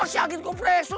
gue kasih angin kompresor